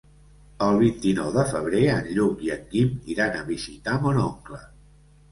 El vint-i-nou de febrer en Lluc i en Guim iran a visitar mon oncle.